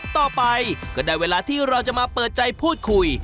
ต่อไปก็ได้เวลาที่เราจะมาเปิดใจพูดคุย